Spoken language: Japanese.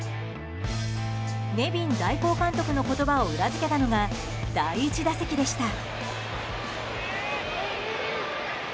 ネビン代行監督の言葉を裏付けたのが第１打席でした。